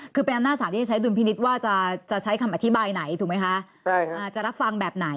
คือเป็นอำนาจศาสตร์ที่จะใช้ดุลพินิษฐ์ว่าจะใช้คำอธิบายไหนถูกไหมคะ